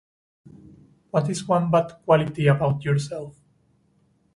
What is one fine quality about yourself?